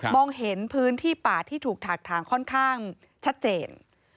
เห็นพื้นที่ป่าที่ถูกถักทางค่อนข้างชัดเจน